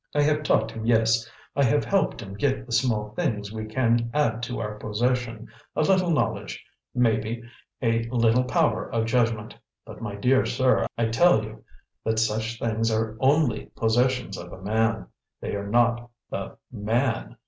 I have taught him, yes; I have helped him get the small things we can add to our possession a little knowledge, maybe, a little power of judgment. But, my dear sir, I tell you that such things are ONLY possessions of a man. They are not the MAN!